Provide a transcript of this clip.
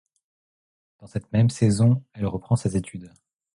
Dans cette même saison, elle reprend ses études.